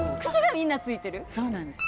そうなんです。